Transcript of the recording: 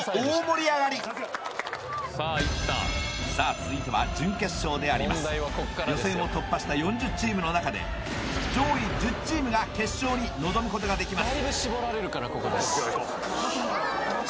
続いては準決勝であります予選を突破した４０チームの中で上位１０チームが決勝に臨むことができます